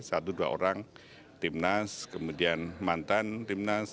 satu dua orang timnas kemudian mantan timnas